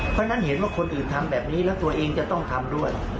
เพราะฉะนั้นเห็นว่าคนอื่นทำแบบนี้แล้วตัวเองจะต้องทำด้วย